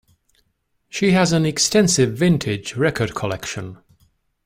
She has an extensive vintage record collection.